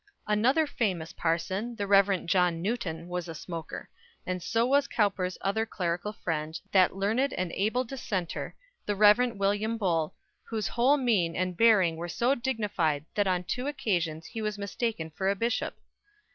Another famous parson, the Rev. John Newton, was a smoker, and so was Cowper's other clerical friend, that learned and able Dissenter, the Rev. William Bull, whose whole mien and bearing were so dignified that on two occasions he was mistaken for a bishop.